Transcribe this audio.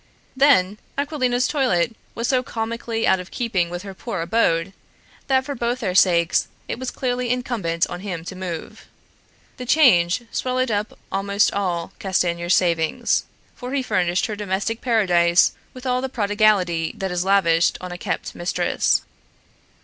Then Aquilina's toilet was so comically out of keeping with her poor abode, that for both their sakes it was clearly incumbent on him to move. The change swallowed up almost all Castanier's savings, for he furnished his domestic paradise with all the prodigality that is lavished on a kept mistress.